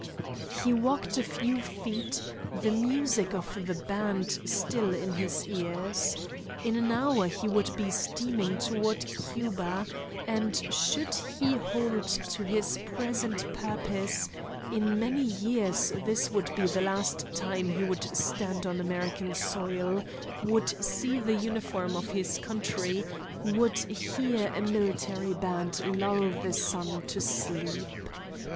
He walked a few feet, the music of the band still in his ears. In an hour he would be steaming toward Cuba, and, should he hold to his present purpose, in many years this would be the last time he would stand on American soil, would see the uniform of his country, would hear a military band lull the sun to sleep.